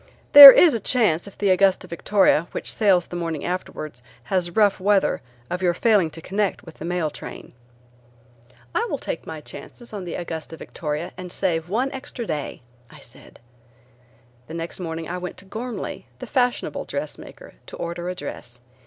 There is a chance if the Augusta Victoria, which sails the morning afterwards, has rough weather of your failing to connect with the mail train." "I will take my chances on the Augusta Victoria, and save one extra day," I said. The next morning I went to Ghormley, the fashionable dressmaker, to order a dress.